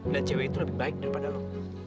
dan perempuan itu lebih baik daripada kamu